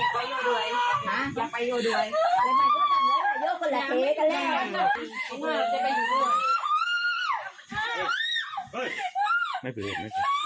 ที่ใดบ้านณบ้านไหน